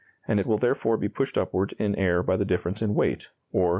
and it will therefore be pushed upward in air by the difference in weight, or 0.